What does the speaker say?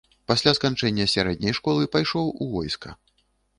Пасля сканчэння сярэдняй школы пайшоў у войска.